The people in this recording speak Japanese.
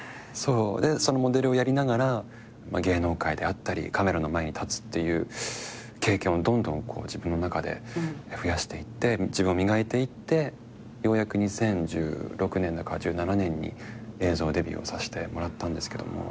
でそのモデルをやりながら芸能界であったりカメラの前に立つっていう経験をどんどん自分の中で増やしていって自分を磨いていってようやく２０１６年だか２０１７年に映像デビューをさせてもらったんですけども。